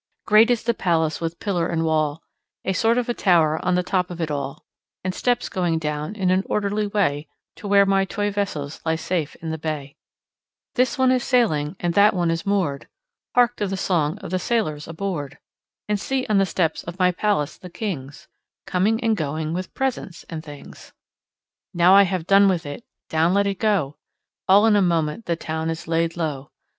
Great is the palace with pillar and wall, A sort of a tower on the top of it all, And steps coming down in an orderly way To where my toy vessels lie safe in the bay. This one is sailing and that one is moored: Hark to the song of the sailors aboard! And see, on the steps of my palace, the kings Coming and going with presents and things! Now I have done with it, down let it go! All in a moment the town is laid low.